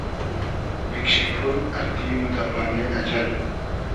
بیکشی پور اردی مۉ دۂ بانې اجئل